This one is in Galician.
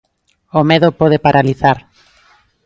O medo pode paralizar.